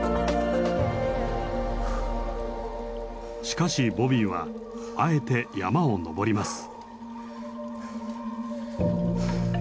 しかしボビーはあえて山を上ります。